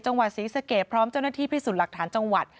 จังหวัดศรีสะเกดพร้อมเจ้าหน้าที่พิสูจน์หลักฐานจังหวัด